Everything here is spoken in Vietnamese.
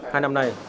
hai năm nay